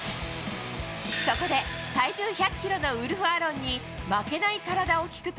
そこで体重１００ｋｇウルフ・アロンに負けない体を聞くと。